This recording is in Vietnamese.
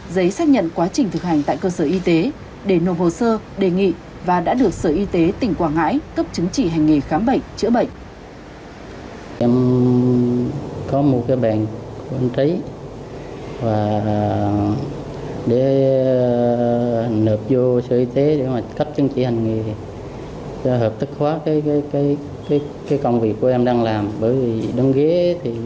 giấy xác nhận quá trình thực hành tại cơ sở y tế đề nộp hồ sơ đề nghị và đã được sở y tế tỉnh quảng ngãi cấp chứng chỉ hành nghề khám bệnh chữa bệnh